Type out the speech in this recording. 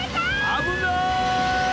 あぶない！